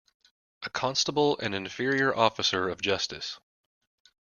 A constable an inferior officer of justice.